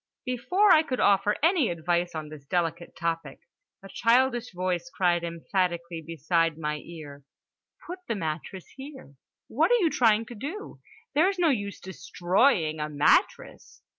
Before I could offer any advice on this delicate topic, a childish voice cried emphatically beside my ear: "Put the mattress here! What are you trying to do? There's no use destroy ing a mat tress!"